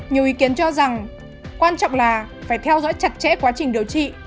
nhiều ý kiến cho rằng quan trọng là phải theo dõi chặt chẽ quá trình điều trị